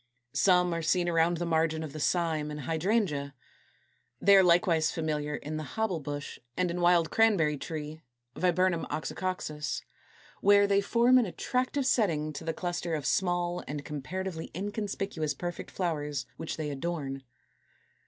In Fig. 214, some are seen around the margin of the cyme in Hydrangea. They are likewise familiar in the Hobble bush and in Wild Cranberry tree, Viburnum Oxycoccus; where they form an attractive setting to the cluster of small and comparatively inconspicuous perfect flowers which they adorn.